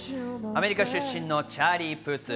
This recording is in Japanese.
アメリカ出身のチャーリー・プース。